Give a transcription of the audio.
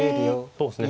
そうですね。